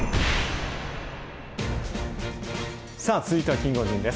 続いてはキンゴジンです。